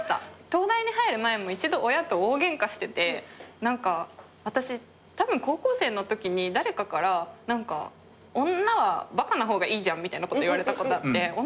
東大に入る前も一度親と大ゲンカしてて何か私たぶん高校生のときに誰かから女はバカな方がいいじゃんみたいなこと言われたことあって。